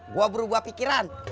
gue berubah pikiran